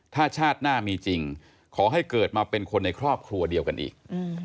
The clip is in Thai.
ถ้าชาติหน้ามีจริงขอให้เกิดมาเป็นคนในครอบครัวเดียวกันอีก